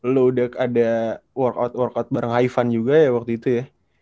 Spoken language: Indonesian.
lu udah ada workout workout bareng haivan juga ya waktu itu ya